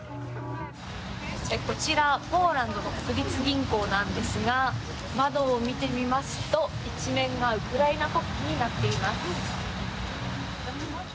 こちら、ポーランドの国立銀行なんですが窓を見てみますと一面がウクライナ国旗になっています。